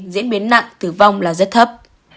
diễn biến nặng tử vong là rất thấp